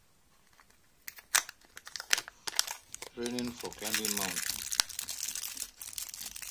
Training for climbing Mt.